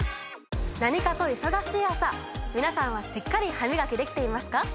何かと忙しい朝皆さんはしっかり歯みがきできていますか？